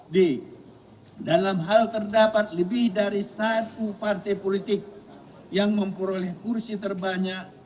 d dalam hal terdapat lebih dari satu partai politik yang memperoleh kursi terbanyak